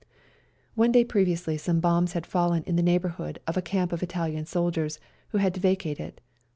One day previously some bombs had fallen in the neighbour hood of a camp of Italian soldiers, who had to vacate it.